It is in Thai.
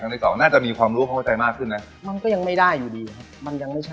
ตอนที่สองก็มาเปิดที่ร้อยเอส